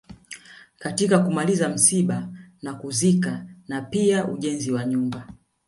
Katika kumaliza misiba na kuzikana pia ujenzi wa nyumba